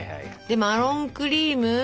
でマロンクリーム。